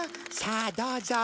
さあどうぞ。